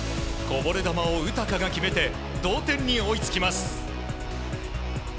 こぼれ球を宇高が決めて同点に追いつきます。